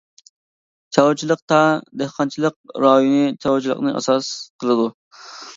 چارۋىچىلىقتا دېھقانچىلىق رايونى چارۋىچىلىقنى ئاساس قىلىدۇ.